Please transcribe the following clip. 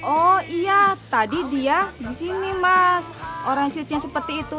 oh iya tadi dia disini mas orang syiriknya seperti itu